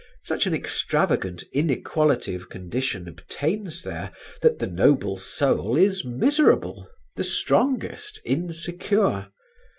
Such an extravagant inequality of condition obtains there that the noble soul is miserable, the strongest insecure.